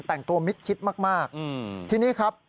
แต่งตัวมิดชิดมากทีนี้ครับ